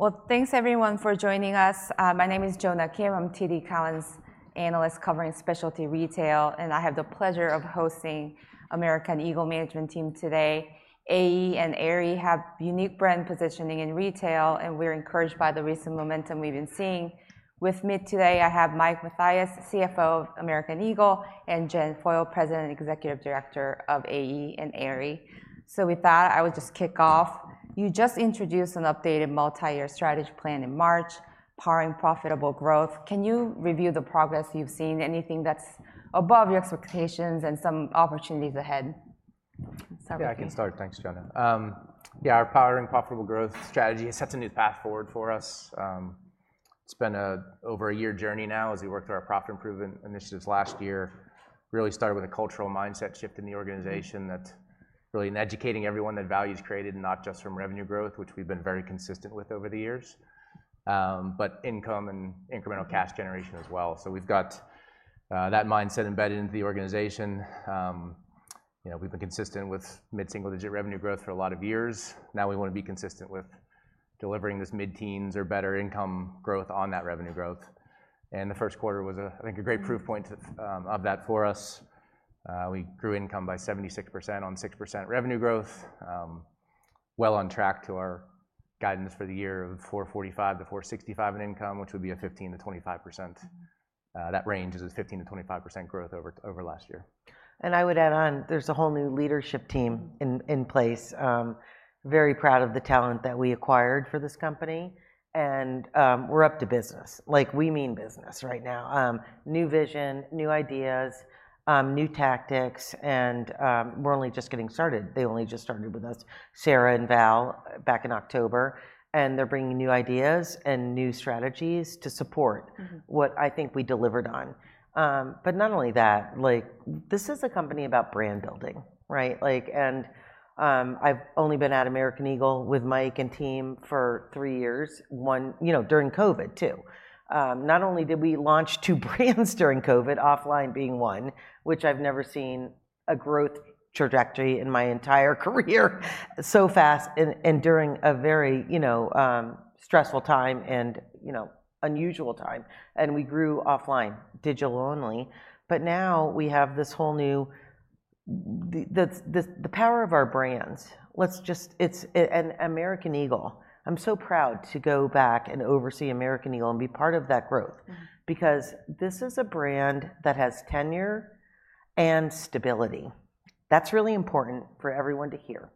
Well, thanks everyone for joining us. My name is Jonna Kim. I'm TD Cowen's analyst covering specialty retail, and I have the pleasure of hosting American Eagle Management Team today. AE and Aerie have unique brand positioning in retail, and we're encouraged by the recent momentum we've been seeing. With me today, I have Mike Mathias, CFO of American Eagle, and Jen Foyle, President and Executive Creative Director of AE and Aerie. So with that, I will just kick off. You just introduced an updated multi-year strategy plan in March, Powering Profitable Growth. Can you review the progress you've seen, anything that's above your expectations, and some opportunities ahead? So- Yeah, I can start. Thanks, Jonna. Yeah, our Powering Profitable Growth strategy sets a new path forward for us. It's been over a year journey now as we worked through our profit improvement initiatives last year. Really started with a cultural mindset shift in the organization that's really in educating everyone that value is created, and not just from revenue growth, which we've been very consistent with over the years, but income and incremental cash generation as well. So we've got that mindset embedded into the organization. You know, we've been consistent with mid-single-digit revenue growth for a lot of years. Now we wanna be consistent with delivering this mid-teens or better income growth on that revenue growth, and the first quarter was a, I think, a great proof point of that for us. We grew income by 76% on 6% revenue growth. Well on track to our guidance for the year of $445-$465 in income, which would be a 15%-25%. That range is a 15%-25% growth over last year. I would add on, there's a whole new leadership team in place. Very proud of the talent that we acquired for this company, and we're up to business. Like, we mean business right now. New vision, new ideas, new tactics, and we're only just getting started. They only just started with us, Sarah and Val, back in October, and they're bringing new ideas and new strategies to support- Mm-hmm... what I think we delivered on. But not only that, like, this is a company about brand building, right? Like, and, I've only been at American Eagle with Mike and team for three years. You know, during COVID, too. Not only did we launch two brands during COVID, Offline being one, which I've never seen a growth trajectory in my entire career so fast and during a very, you know, stressful time and, you know, unusual time, and we grew Offline digital only. But now we have this whole new power of our brands. American Eagle, I'm so proud to go back and oversee American Eagle and be part of that growth. Mm. Because this is a brand that has tenure and stability. That's really important for everyone to hear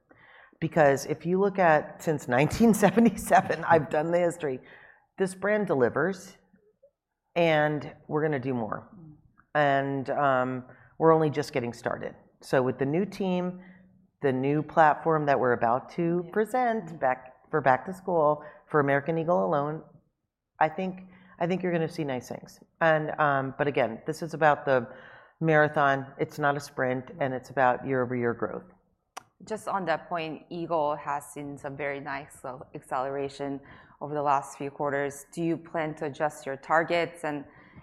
because if you look at since 1977, I've done the history, this brand delivers, and we're gonna do more. Mm. We're only just getting started. With the new team, the new platform that we're about to- Yeah... present for Back-to-School, for American Eagle alone, I think, I think you're gonna see nice things. But again, this is about the marathon. It's not a sprint, and it's about year-over-year growth. Just on that point, Eagle has seen some very nice acceleration over the last few quarters. Do you plan to adjust your targets?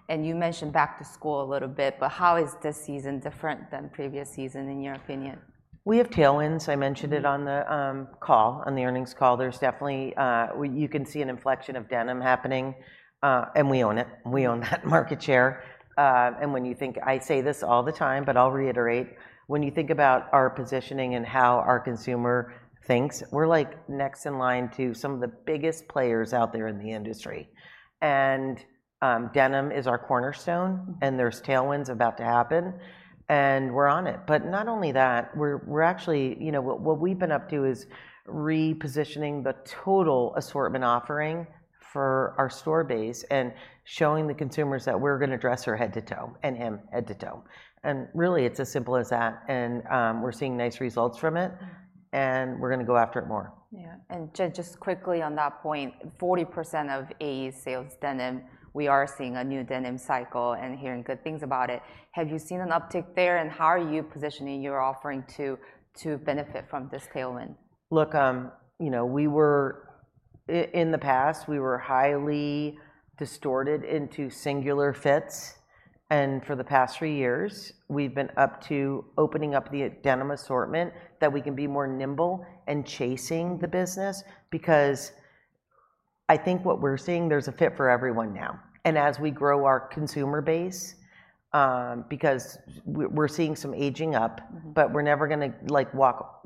And you mentioned back to school a little bit, but how is this season different than previous season, in your opinion? We have tailwinds. I mentioned it on the call, on the earnings call. There's definitely you can see an inflection of denim happening, and we own it. We own that market share. And when you think... I say this all the time, but I'll reiterate: When you think about our positioning and how our consumer thinks, we're, like, next in line to some of the biggest players out there in the industry, and denim is our cornerstone- Mm... and there's tailwinds about to happen, and we're on it. But not only that, we're, we're actually, you know, what, what we've been up to is repositioning the total assortment offering for our store base and showing the consumers that we're gonna dress her head to toe, and him, head to toe, and really, it's as simple as that. And, we're seeing nice results from it. Mm... and we're gonna go after it more. Yeah, Jen, just quickly on that point, 40% of AE sales denim. We are seeing a new denim cycle and hearing good things about it. Have you seen an uptick there, and how are you positioning your offering to benefit from this tailwind? Look, you know, we were in the past, we were highly distorted into singular fits, and for the past three years, we've been up to opening up the denim assortment, that we can be more nimble in chasing the business. Because I think what we're seeing, there's a fit for everyone now, and as we grow our consumer base, because we're seeing some aging up- Mm-hmm... but we're never gonna, like, walk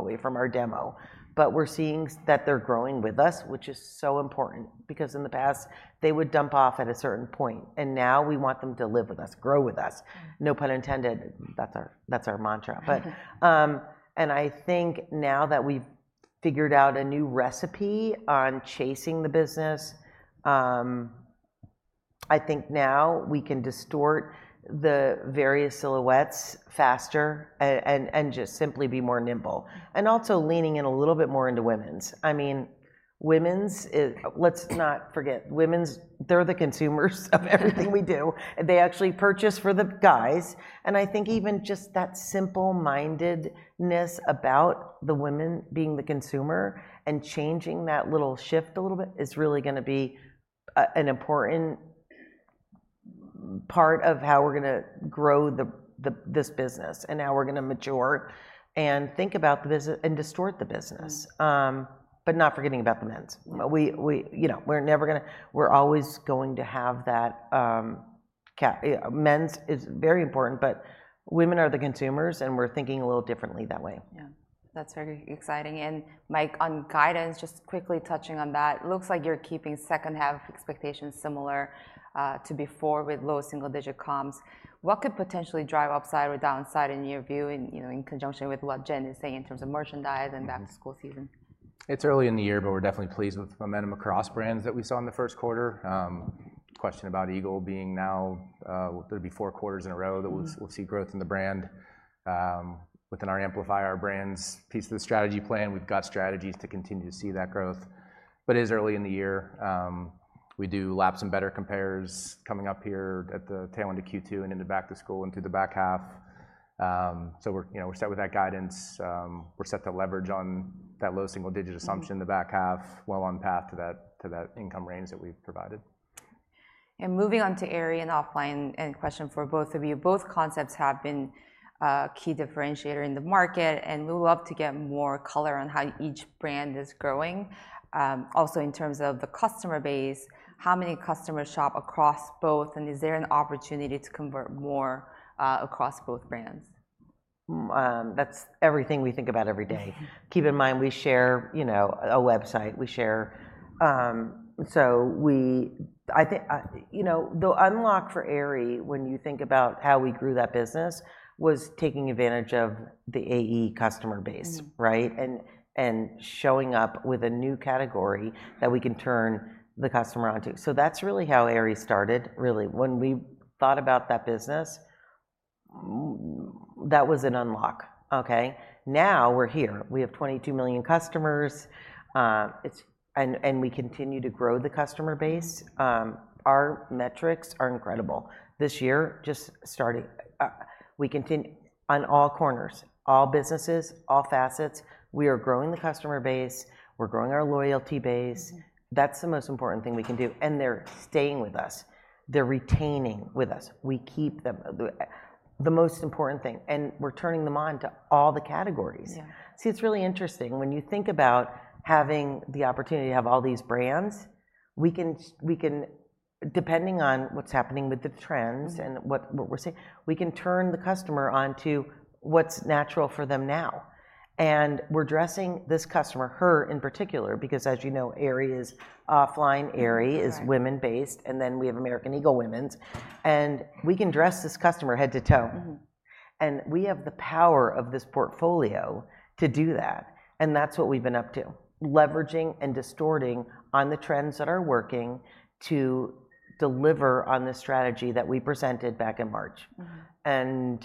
away from our demo. But we're seeing that they're growing with us, which is so important, because in the past, they would dump off at a certain point, and now we want them to live with us, grow with us. Mm. No pun intended, that's our mantra. But, and I think now that we've figured out a new recipe on chasing the business, I think now we can distort the various silhouettes faster and just simply be more nimble, and also leaning in a little bit more into women's. I mean, women's is... Let's not forget, women's, they're the consumers of everything we do. They actually purchase for the guys, and I think even just that simplemindedness about the women being the consumer and changing that little shift a little bit is really gonna be an important part of how we're gonna grow this business, and how we're gonna mature and think about the business and distort the business. Mm. But not forgetting about the men's. We, you know, we're always going to have that. Men's is very important, but women are the consumers, and we're thinking a little differently that way. Yeah, that's very exciting. And Mike, on guidance, just quickly touching on that, looks like you're keeping second half expectations similar to before, with low single-digit comps. What could potentially drive upside or downside in your view, you know, in conjunction with what Jen is saying in terms of merchandise- Mm... and Back-to-School season? It's early in the year, but we're definitely pleased with the momentum across brands that we saw in the first quarter. Question about Eagle being now, whether it be four quarters in a row- Mm... that we'll see growth in the brand. Within our amplify our brands piece of the strategy plan, we've got strategies to continue to see that growth. But it is early in the year. We do lap some better comps coming up here at the tail end of Q2 and into Back-to-School and through the back half. So we're, you know, we're set with that guidance. We're set to leverage on that low single-digit assumption- Mm... in the back half, well on path to that, to that income range that we've provided. And moving on to Aerie and Offline, and question for both of you, both concepts have been a key differentiator in the market, and we'd love to get more color on how each brand is growing. Also, in terms of the customer base, how many customers shop across both, and is there an opportunity to convert more, across both brands? That's everything we think about every day. Keep in mind, we share, you know, a website. We share. So we, I think, you know, the unlock for Aerie, when you think about how we grew that business, was taking advantage of the AE customer base- Mm... right? And showing up with a new category that we can turn the customer on to. So that's really how Aerie started, really. When we thought about that business, that was an unlock, okay? Now, we're here. We have 22 million customers. It's... And we continue to grow the customer base. Our metrics are incredible. This year, just starting, we continue on all corners, all businesses, all facets. We are growing the customer base, we're growing our loyalty base. Mm-hmm. That's the most important thing we can do, and they're staying with us. They're retaining with us. We keep them, the most important thing, and we're turning them on to all the categories. Yeah. See, it's really interesting. When you think about having the opportunity to have all these brands, we can, depending on what's happening with the trends- Mm-hmm... and what, what we're seeing, we can turn the customer on to what's natural for them now. And we're dressing this customer, her in particular, because as you know, Aerie is OFFLINE, Aerie is women-based. Right. And then we have American Eagle women's, and we can dress this customer head to toe. Mm-hmm. We have the power of this portfolio to do that, and that's what we've been up to, leveraging and distorting on the trends that are working to deliver on the strategy that we presented back in March. Mm-hmm.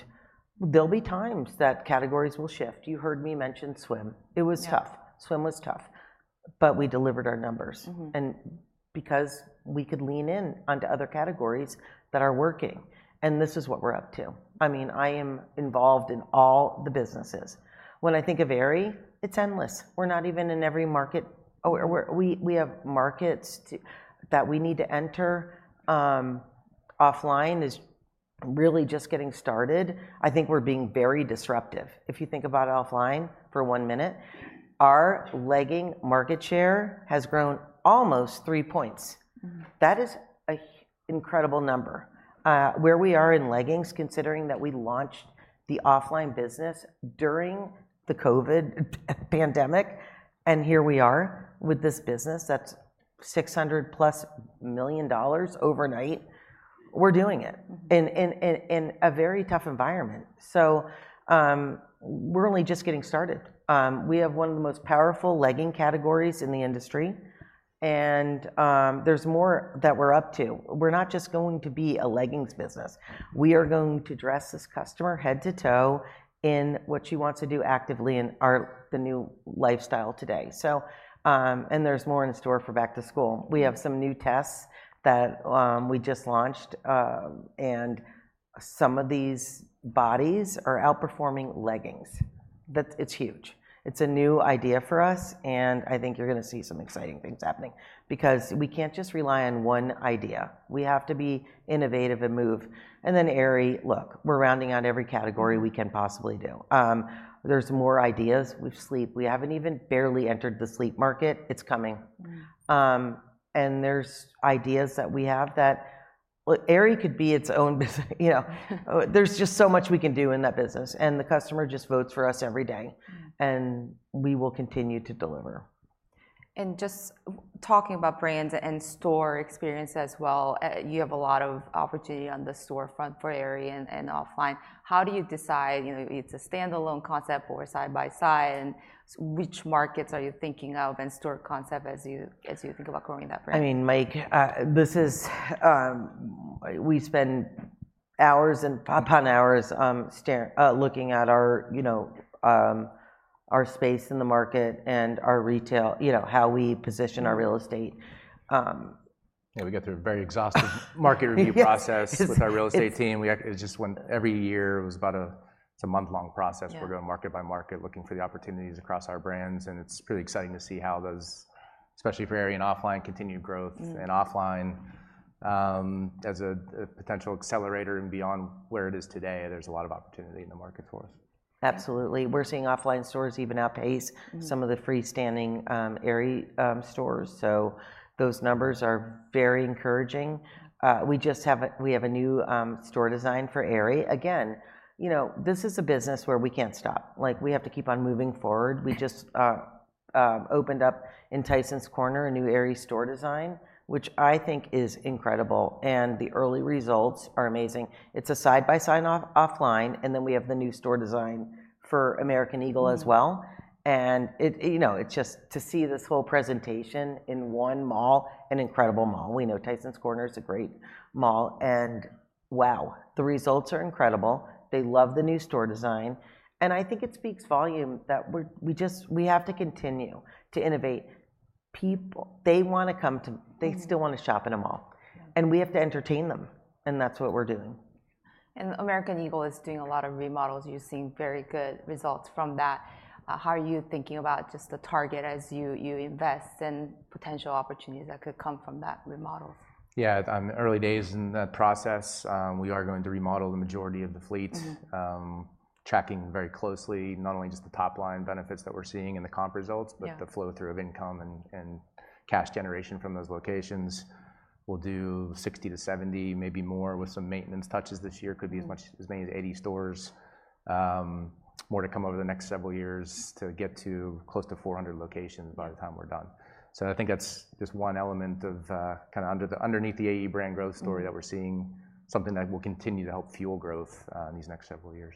There'll be times that categories will shift. You heard me mention swim. Yeah. It was tough. Swim was tough, but we delivered our numbers. Mm-hmm. Because we could lean in on to other categories that are working, and this is what we're up to. I mean, I am involved in all the businesses. When I think of Aerie, it's endless. We're not even in every market... Or we're, we have markets to that we need to enter. OFFLINE is really just getting started. I think we're being very disruptive. If you think about OFFLINE for one minute, our leggings market share has grown almost three points. Mm. That is an incredible number. Where we are in leggings, considering that we launched the Offline business during the COVID pandemic, and here we are with this business that's $600+ million overnight, we're doing it- Mm... in a very tough environment. So, we're only just getting started. We have one of the most powerful legging categories in the industry, and there's more that we're up to. We're not just going to be a leggings business. We are going to dress this customer head to toe in what she wants to do actively in our, the new lifestyle today. So, and there's more in store for back to school. Mm. We have some new tests that we just launched, and some of these bodies are outperforming leggings. That... It's huge. It's a new idea for us, and I think you're gonna see some exciting things happening. Because we can't just rely on one idea. We have to be innovative and move. And then Aerie, look, we're rounding out every category- Mm... we can possibly do. There's more ideas with sleep. We haven't even barely entered the sleep market. It's coming. Mm. There's ideas that we have that, well, Aerie could be its own business, you know? There's just so much we can do in that business, and the customer just votes for us every day. Mm. We will continue to deliver. And just talking about brands and in-store experience as well, you have a lot of opportunity on the store front for Aerie and OFFLINE. How do you decide, you know, it's a standalone concept or a side by side, and which markets are you thinking of and store concept as you think about growing that brand? I mean, Mike, this is, we spend hours upon hours, looking at our, you know, our space in the market and our retail, you know, how we position our real estate. Mm. Um... Yeah, we go through a very exhaustive market review process- Yes, it's-... with our real estate team. It's just one. Every year, it's about a month-long process. Yeah. We're going market by market, looking for the opportunities across our brands, and it's pretty exciting to see how those, especially for Aerie and Offline, continued growth. Mm... and OFFLINE, as a potential accelerator and beyond where it is today, there's a lot of opportunity in the market for us. Absolutely. We're seeing offline stores even outpace- Mm. Some of the freestanding Aerie stores, so those numbers are very encouraging. We have a new store design for Aerie. Again, you know, this is a business where we can't stop, like, we have to keep on moving forward. We just opened up in Tysons Corner a new Aerie store design, which I think is incredible, and the early results are amazing. It's a side-by-side offline, and then we have the new store design for American Eagle as well. Mm. It, you know, it just... To see this whole presentation in one mall, an incredible mall. We know Tysons Corner is a great mall, and wow, the results are incredible. They love the new store design, and I think it speaks volume that we have to continue to innovate. People, they wanna come to- Mm. They still wanna shop in a mall. Yeah. We have to entertain them, and that's what we're doing. American Eagle is doing a lot of remodels. You've seen very good results from that. How are you thinking about just the target as you invest, and potential opportunities that could come from that remodels? Yeah, early days in the process. We are going to remodel the majority of the fleet. Mm. Tracking very closely, not only just the top-line benefits that we're seeing in the comp results- Yeah... but the flow-through of income and cash generation from those locations. We'll do 60-70, maybe more, with some maintenance touches this year. Mm. Could be as much as maybe 80 stores, more to come over the next several years to get to close to 400 locations by the time we're done. So I think that's just one element of, kinda under the, underneath the AE brand growth story- Mm... that we're seeing, something that will continue to help fuel growth, in these next several years.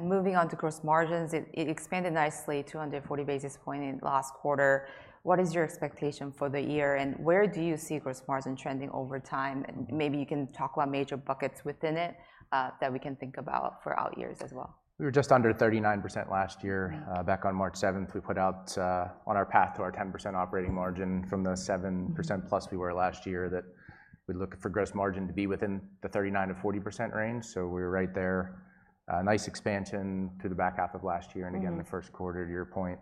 Moving on to gross margins, it expanded nicely, 240 basis points in last quarter. What is your expectation for the year, and where do you see gross margin trending over time? Maybe you can talk about major buckets within it, that we can think about for out years as well. We were just under 39% last year. Mm. Back on March 7th, we put out on our path to our 10% operating margin from the seven- Mm... percent-plus we were last year, that we look for gross margin to be within the 39%-40% range, so we're right there. A nice expansion through the back half of last year- Mm... and again, in the first quarter, to your point.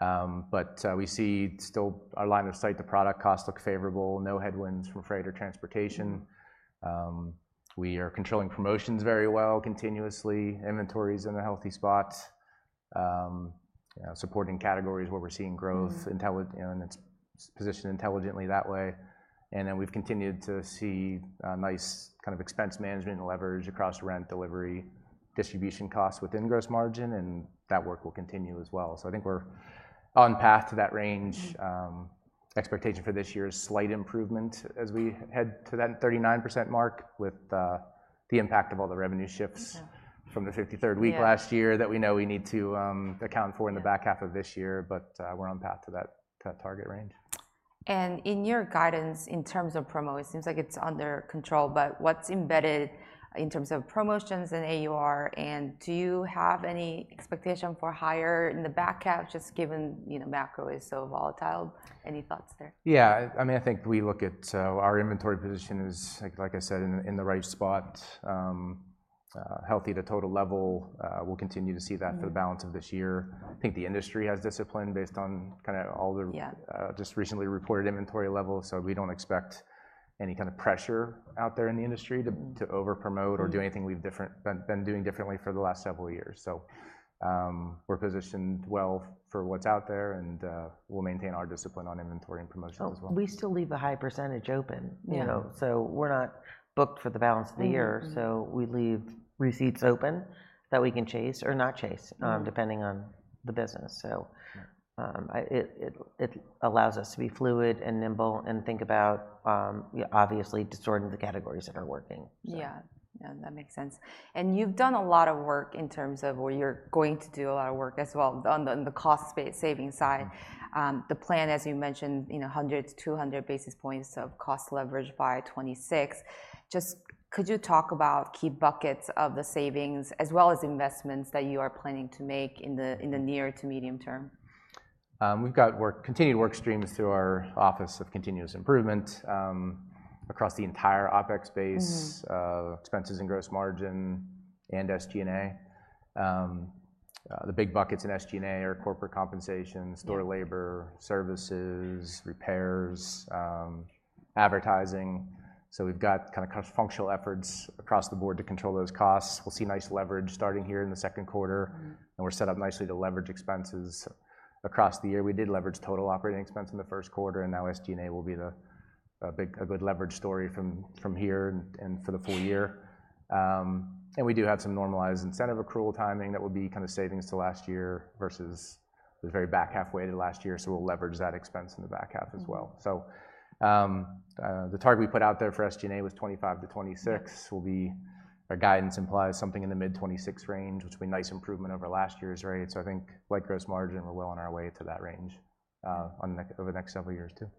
But, we see still our line of sight, the product costs look favorable, no headwinds from freight or transportation. Mm. We are controlling promotions very well, continuously. Inventories in a healthy spot. You know, supporting categories where we're seeing growth- Mm... and it's positioned intelligently that way, and then we've continued to see a nice kind of expense management and leverage across rent, delivery, distribution costs within gross margin, and that work will continue as well. So I think we're on path to that range. Mm. Expectation for this year is slight improvement as we head to that 39% mark, with the impact of all the revenue shifts- Okay... from the 53rd week- Yeah... last year, that we know we need to, account for- Yeah... in the back half of this year, but, we're on path to that, that target range. In your guidance, in terms of promo, it seems like it's under control, but what's embedded in terms of promotions in AUR, and do you have any expectation for higher in the back half, just given, you know, macro is so volatile? Any thoughts there? Yeah, I mean, I think we look at our inventory position is, like, like I said, in the right spot. Healthy to total level, we'll continue to see that- Mm... for the balance of this year. I think the industry has discipline based on kinda all the- Yeah... just recently reported inventory levels, so we don't expect any kind of pressure out there in the industry. Mm... to overpromote- Mm... or do anything different we've been doing differently for the last several years. So, we're positioned well for what's out there, and we'll maintain our discipline on inventory and promotions as well. We still leave a high percentage open, you know? Yeah. We're not booked for the balance of the year. Mm. Mm-hmm. We leave receipts open that we can chase or not chase. Mm... depending on the business, so- Yeah... it allows us to be fluid and nimble and think about, yeah, obviously, distorting the categories that are working, so. Yeah. Yeah, that makes sense. And you've done a lot of work in terms of where you're going to do a lot of work as well on the cost-saving side. The plan, as you mentioned, you know, 100-200 basis points of cost leverage by 2026. Just could you talk about key buckets of the savings, as well as investments that you are planning to make in the near to medium term? We've got continued work streams through our Office of Continuous Improvement, across the entire OpEx base- Mm... expenses and gross margin and SG&A. The big buckets in SG&A are corporate compensation- Yeah... store labor, services- Mm... repairs, advertising, so we've got kind of functional efforts across the board to control those costs. We'll see nice leverage starting here in the second quarter. Mm. We're set up nicely to leverage expenses across the year. We did leverage total operating expense in the first quarter, and now SG&A will be the, a big, a good leverage story from, from here and, and for the full year. And we do have some normalized incentive accrual timing that would be kind of savings to last year versus the very back half way to last year, so we'll leverage that expense in the back half as well. Mm. The target we put out there for SG&A was 25-26. Our guidance implies something in the mid-26 range, which will be nice improvement over last year's rates. So I think, like gross margin, we're well on our way to that range, over the next several years, too.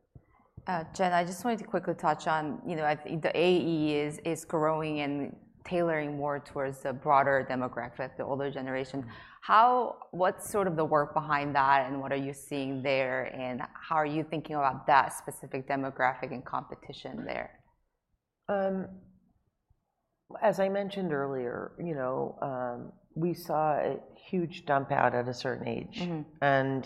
Jen, I just wanted to quickly touch on, you know, I think the AE is growing and tailoring more towards the broader demographic, the older generation. How... What's sort of the work behind that, and what are you seeing there, and how are you thinking about that specific demographic and competition there?... as I mentioned earlier, you know, we saw a huge dump out at a certain age. Mm-hmm.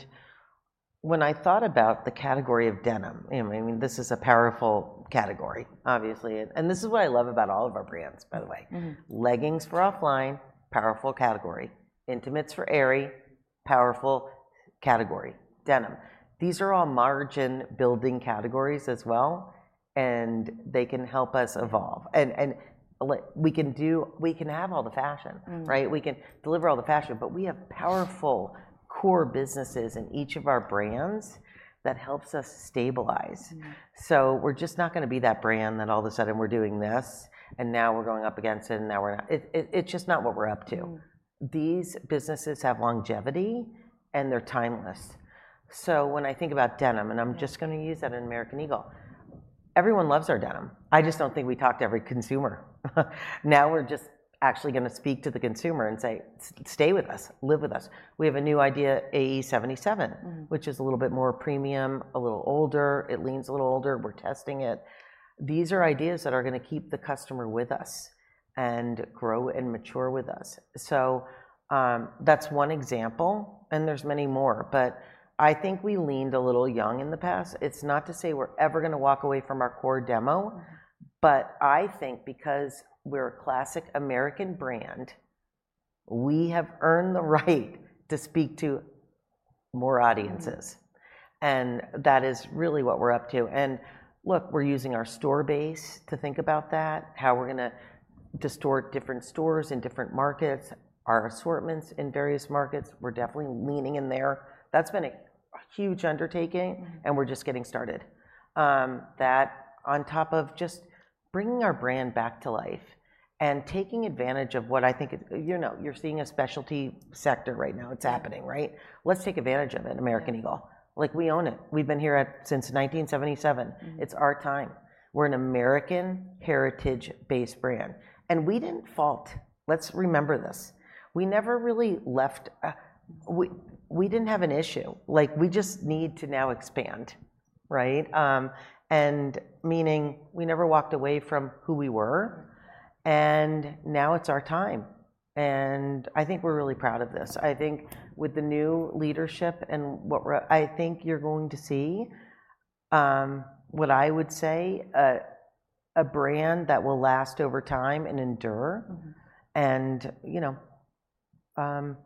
When I thought about the category of denim, you know, I mean, this is a powerful category, obviously. This is what I love about all of our brands, by the way. Mm-hmm. Leggings for OFFLINE, powerful category. Intimates for Aerie, powerful category. Denim. These are all margin-building categories as well, and they can help us evolve. Like, we can do... We can have all the fashion- Mm. Right? We can deliver all the fashion, but we have powerful core businesses in each of our brands that helps us stabilize. Mm. So we're just not gonna be that brand that all of a sudden we're doing this, and now we're going up against it, and now we're not. It, it's just not what we're up to. Mm. These businesses have longevity, and they're timeless. So when I think about denim, and I'm just gonna use that in American Eagle, everyone loves our denim. I just don't think we talk to every consumer. Now, we're just actually gonna speak to the consumer and say, "stay with us, live with us." We have a new idea, AE77. Mm... which is a little bit more premium, a little older. It leans a little older. We're testing it. These are ideas that are gonna keep the customer with us and grow and mature with us, so, that's one example, and there's many more. But I think we leaned a little young in the past. It's not to say we're ever gonna walk away from our core demo, but I think because we're a classic American brand, we have earned the right to speak to more audiences. Mm. That is really what we're up to, and look, we're using our store base to think about that, how we're gonna distort different stores in different markets, our assortments in various markets. We're definitely leaning in there. That's been a huge undertaking- Mm... and we're just getting started. That on top of just bringing our brand back to life and taking advantage of what I think... You know, you're seeing a specialty sector right now. It's happening, right? Yeah. Let's take advantage of it in American Eagle. Yeah. Like, we own it. We've been here at... since 1977. Mm. It's our time. We're an American heritage-based brand, and we didn't falter. Let's remember this. We never really left a... We didn't have an issue. Like, we just need to now expand, right? And meaning we never walked away from who we were, and now it's our time, and I think we're really proud of this. I think with the new leadership and what we're... I think you're going to see what I would say a brand that will last over time and endure. Mm-hmm. You know,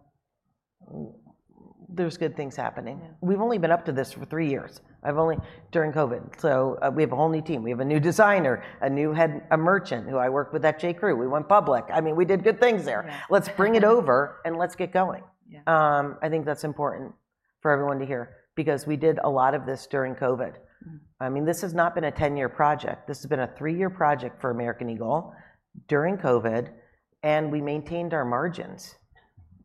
there's good things happening. Yeah. We've only been up to this for three years. I've only... During COVID, so, we have a whole new team. We have a new designer... a new head, a merchant who I worked with at J.Crew. We went public. I mean, we did good things there. Yeah. Let's bring it over, and let's get going. Yeah. I think that's important for everyone to hear because we did a lot of this during COVID. Mm. I mean, this has not been a 10-year project. This has been a 3-year project for American Eagle during COVID, and we maintained our margins,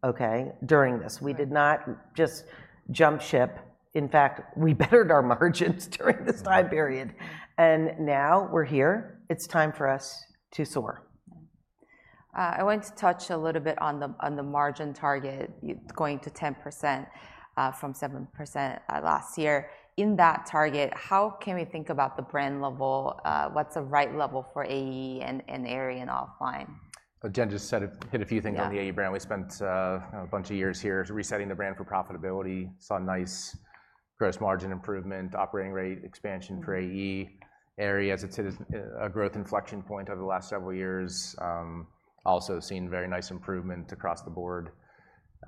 okay, during this. Yeah. We did not just jump ship. In fact, we bettered our margins during this time period. Yeah. And now we're here. It's time for us to soar. I want to touch a little bit on the margin target. It's going to 10%, from 7%, last year. In that target, how can we think about the brand level? What's the right level for AE and Aerie and Offline? Well, Jen just said hit a few things- Yeah... on the AE brand. We spent a bunch of years here resetting the brand for profitability, saw a nice gross margin improvement, operating rate expansion for AE. Mm. Aerie, as it's hit a growth inflection point over the last several years, also seen very nice improvement across the board.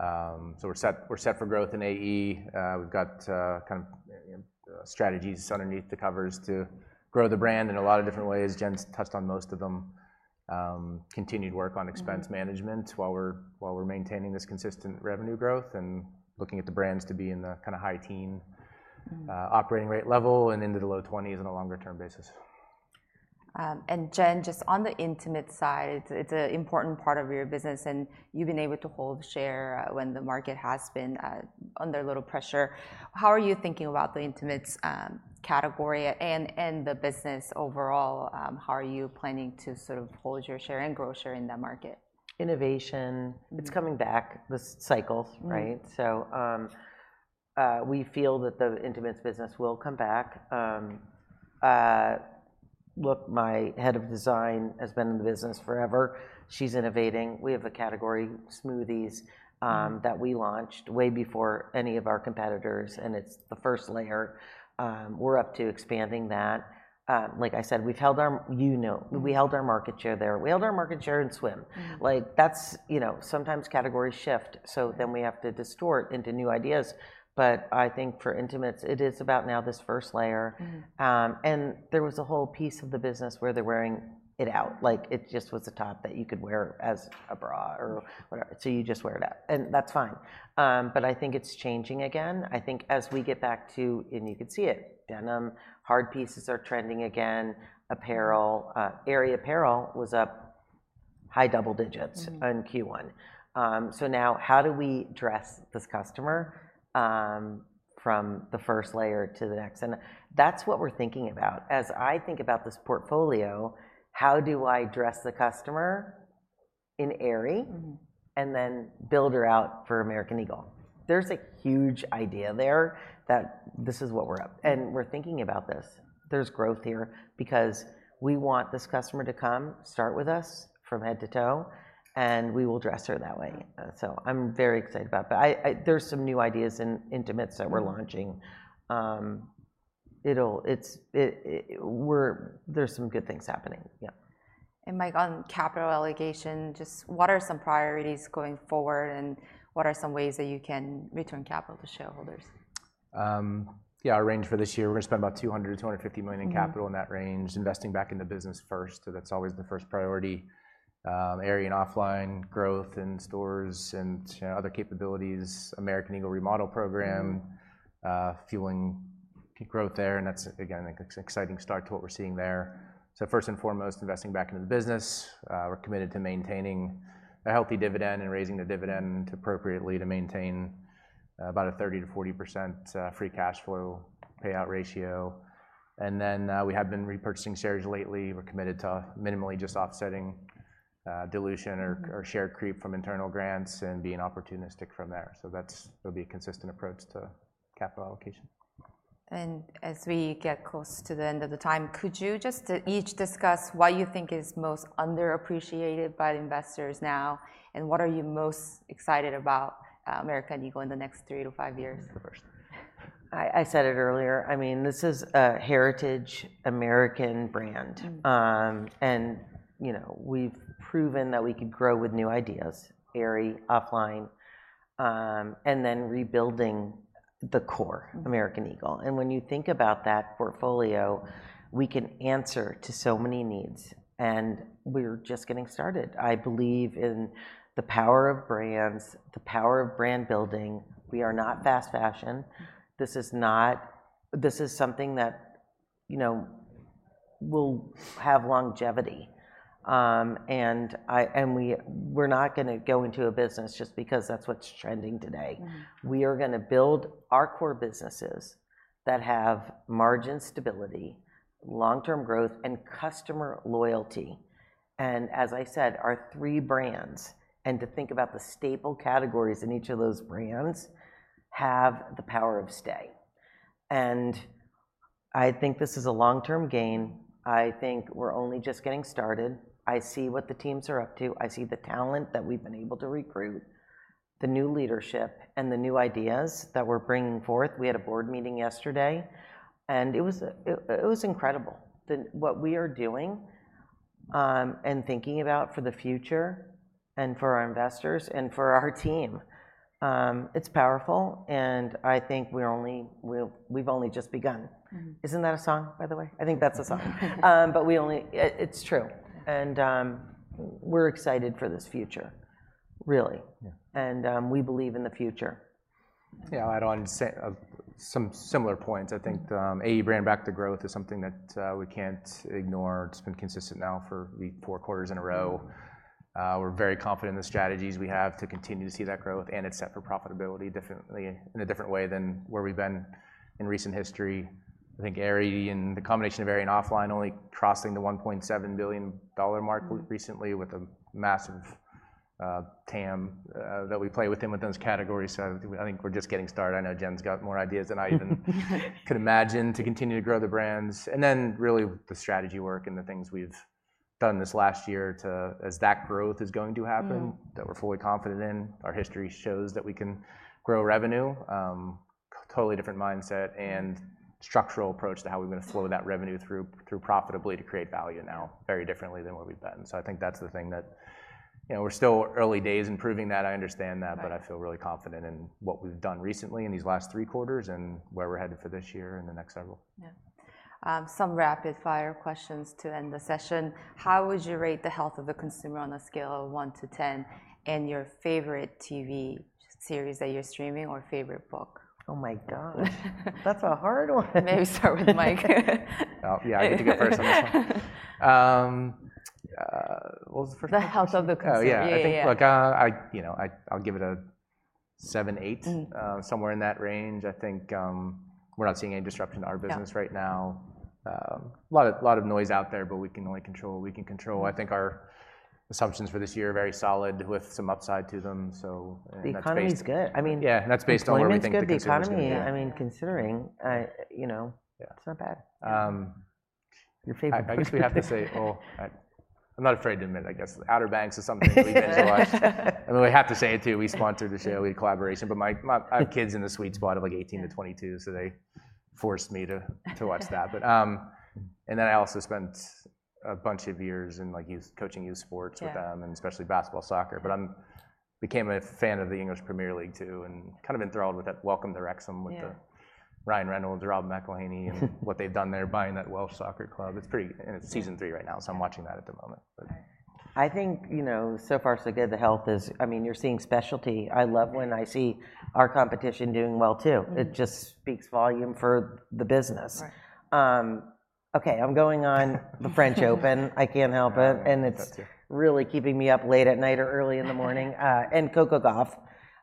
So we're set, we're set for growth in AE. We've got kind of strategies underneath the covers to grow the brand in a lot of different ways. Jen's touched on most of them. Continued work on expense management. Mm... while we're, while we're maintaining this consistent revenue growth and looking at the brands to be in the kind of high-teen, operating rate level- Mm... and into the low 20s on a longer-term basis. And Jen, just on the intimates side, it's an important part of your business, and you've been able to hold share when the market has been under a little pressure. How are you thinking about the intimates category and the business overall? How are you planning to sort of hold your share and grow your share in that market? Innovation, it's coming back, the cycles, right? Mm. So, we feel that the intimates business will come back. Look, my head of design has been in the business forever. She's innovating. We have a category, SMOOTHIEZ, that we launched way before any of our competitors, and it's the first layer. We're up to expanding that. Like I said, we've held our... You know, we held our market share there. We held our market share in swim. Mm. Like, that's, you know, sometimes categories shift, so then we have to distort into new ideas. But I think for intimates, it is about now this first layer. Mm-hmm. And there was a whole piece of the business where they're wearing it out. Like, it just was a top that you could wear as a bra or whatever, so you just wear it out, and that's fine. But I think it's changing again. I think as we get back to... And you can see it, denim, hard pieces are trending again. Apparel, Aerie apparel was up high double digits- Mm... in Q1. So now, how do we dress this customer, from the first layer to the next? And that's what we're thinking about. As I think about this portfolio, how do I dress the customer?... in Aerie, Mm-hmm. and then build her out for American Eagle. There's a huge idea there, that this is what we're up and we're thinking about this. There's growth here, because we want this customer to come, start with us from head to toe, and we will dress her that way. Mm. So I'm very excited about that. There's some new ideas in intimates that we're launching. Mm. It's. There's some good things happening, yeah. Mike, on capital allocation, just what are some priorities going forward, and what are some ways that you can return capital to shareholders? Yeah, our range for this year, we're gonna spend about $200 million-$250 million in capital- Mm... in that range, investing back in the business first. So that's always the first priority. Aerie and OFFLINE growth in stores, and, you know, other capabilities, American Eagle remodel program- Mm. Fueling peak growth there, and that's, again, an exciting start to what we're seeing there. So first and foremost, investing back into the business. We're committed to maintaining a healthy dividend and raising the dividend appropriately to maintain about a 30%-40% free cash flow payout ratio. And then, we have been repurchasing shares lately. We're committed to minimally just offsetting dilution or- Mm... or share creep from internal grants, and being opportunistic from there. So that's... It'll be a consistent approach to capital allocation. As we get close to the end of the time, could you just each discuss what you think is most underappreciated by investors now, and what are you most excited about American Eagle in the next three to five years? You first. I said it earlier, I mean, this is a heritage American brand. Mm. You know, we've proven that we can grow with new ideas, Aerie, OFFLINE, and then rebuilding the core- Mm... American Eagle. And when you think about that portfolio, we can answer to so many needs, and we're just getting started. I believe in the power of brands, the power of brand building. We are not fast fashion. Mm. This is not... This is something that, you know, will have longevity. And we, we're not gonna go into a business just because that's what's trending today. Mm. We are gonna build our core businesses that have margin stability, long-term growth, and customer loyalty. And as I said, our three brands, and to think about the staple categories in each of those brands, have the power of stay, and I think this is a long-term gain. I think we're only just getting started. I see what the teams are up to. I see the talent that we've been able to recruit, the new leadership, and the new ideas that we're bringing forth. We had a board meeting yesterday, and it was incredible. What we are doing and thinking about for the future, and for our investors, and for our team, it's powerful, and I think we've only just begun. Mm. Isn't that a song, by the way? I think that's a song. But we only... It, it's true. Mm. We're excited for this future, really. Yeah. We believe in the future. Yeah, I'd add on to say, some similar points. I think, bringing back the growth is something that, we can't ignore. It's been consistent now for four quarters in a row. We're very confident in the strategies we have to continue to see that growth, and it's set for profitability differently, in a different way than where we've been in recent history. I think Aerie, and the combination of Aerie and OFFLINE only crossing the $1.7 billion mark- Mm ...recently, with a massive TAM that we play within, with those categories. So I think we're just getting started. I know Jen's got more ideas than I even... could imagine to continue to grow the brands. And then, really, the strategy work and the things we've done this last year to... as that growth is going to happen- Mm... that we're fully confident in. Our history shows that we can grow revenue. Totally different mindset and structural approach to how we're gonna flow that revenue through, through profitably to create value now, very differently than where we've been. So I think that's the thing that... You know, we're still early days in proving that. I understand that. Right. But I feel really confident in what we've done recently in these last three quarters, and where we're headed for this year and the next several. Yeah. Some rapid-fire questions to end the session. How would you rate the health of the consumer on a scale of 1 to 10, and your favorite TV series that you're streaming or favorite book? Oh, my gosh. That's a hard one. Maybe start with Mike. Oh, yeah, I get to go first on this one. Well, the first- The health of the consumer. Oh, yeah. Yeah, yeah, yeah. I think, look, you know, I, I'll give it a 7-8. Mm. Somewhere in that range. I think, we're not seeing any disruption in our business right now. Yeah. A lot of noise out there, but we can only control what we can control. Mm. I think our assumptions for this year are very solid, with some upside to them, and that's based- The economy's good. I mean- Yeah, that's based on where we think the consumer is gonna be. Employment's good. The economy- Yeah... I mean, considering, you know- Yeah... it's not bad. Um- Your favorite book. I guess we have to say... Well, I'm not afraid to admit, I guess. Outer Banks is something that... we binge-watch. And then we have to say, too, we sponsor the show. We have a collaboration. But our kids are in the sweet spot of, like, 18-22- Yeah... so they forced me to watch that. But... And then I also spent a bunch of years in, like, youth, coaching youth sports with them- Yeah... and especially basketball, soccer. But I became a fan of the English Premier League, too, and kind of enthralled with that. Welcome to Wrexham with the- Yeah... Ryan Reynolds, Rob McElhenney... and what they've done there, buying that Welsh soccer club. It's pretty... It's season three right now, so I'm watching that at the moment, but- I think, you know, so far, so good. The health is... I mean, you're seeing specialty. I love when I see our competition doing well, too. Mm. It just speaks volumes for the business. Right. Okay, the French Open. I can't help it, and it's- Oh, that, too.... really keeping me up late at night or early in the morning. And Coco Gauff.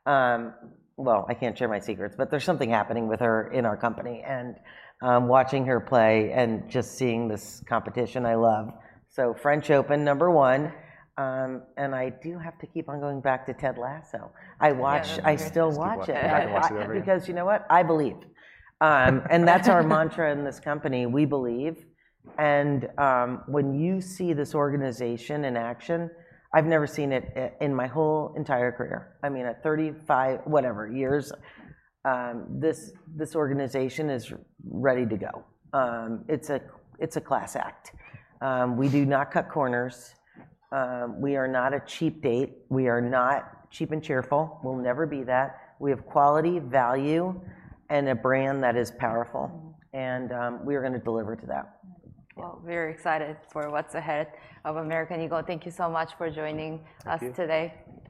Well, I can't share my secrets, but there's something happening with her in our company, and watching her play and just seeing this competition, I love. So French Open, number one. And I do have to keep on going back to Ted Lasso. Yeah, that's a great show. I watch... I still watch it. We watch it. I watch it every- Because you know what? I believe. And that's our mantra in this company, "We believe." And when you see this organization in action, I've never seen it in my whole entire career, I mean, at 35, whatever, years, this organization is ready to go. It's a class act. We do not cut corners. We are not a cheap date. We are not cheap and cheerful. We'll never be that. We have quality, value, and a brand that is powerful. Mm. And, we are gonna deliver to that. Well, we're excited for what's ahead of American Eagle. Thank you so much for joining us today. Thank you.